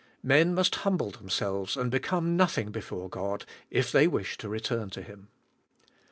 Men must humble themselves and become nothing before God if they wish to return to Him.